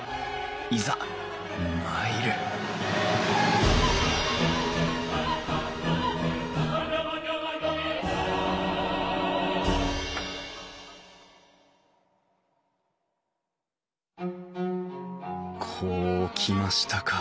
いざ参るこうきましたか。